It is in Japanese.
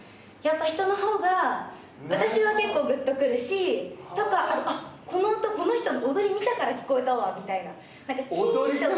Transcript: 人のほうが私は結構ぐっと来るしとかこの人の踊りを見たから聞こえたわみたいな。